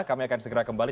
kami akan segera kembali